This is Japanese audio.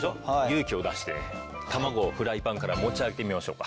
勇気を出して卵をフライパンから持ち上げてみましょうか。